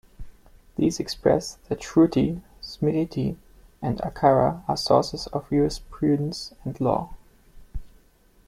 These express that Shruti, Smriti and Achara are sources of jurisprudence and law.